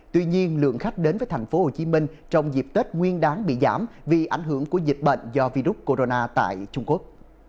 tuy nhiên lượng khách đến với tp hcm trong dịp tết nguyên đáng bị giảm vì ảnh hưởng của dịch bệnh do virus corona tại trung quốc